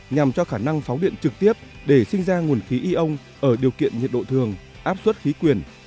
nhằm cho khả năng phóng điện trực tiếp để sinh ra nguồn khí ion ở điều kiện nhiệt độ thường áp suất khí quyền